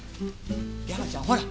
山ちゃんほら！